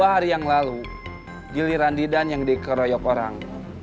dua hari yang lalu giliran didan yang dikeroyok orang